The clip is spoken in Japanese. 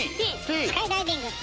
スカイダイビング。